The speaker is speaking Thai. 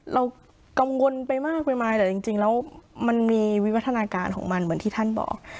เรากังวลไปมากไปมาแต่จริงแล้วมันมีวิวัฒนาการของมันเหมือนที่ท่านบอก